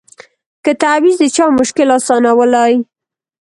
که تعویذ د چا مشکل آسانولای